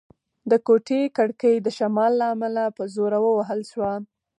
د کوټې کړکۍ د شمال له امله په زوره ووهل شوه.